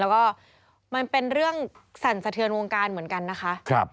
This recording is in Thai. แล้วก็มันเป็นเรื่องสั่นสะเทือนวงการเหมือนกันนะคะ